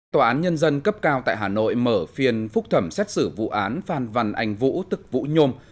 tòa án nhân dân cấp cao tại hà nội mở phiên phúc thẩm xét xử vụ án phan văn anh vũ tức vũ nhôm